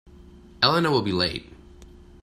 Elena will be late.